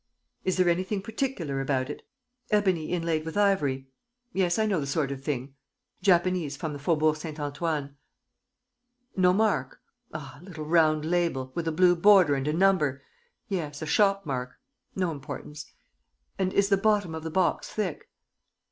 ... Is there anything particular about it? ... Ebony inlaid with ivory. ... Yes, I know the sort of thing. ... Japanese, from the Faubourg Saint Antoine. ... No mark? ... Ah, a little round label, with a blue border and a number! ... Yes, a shop mark ... no importance. And is the bottom of the box thick?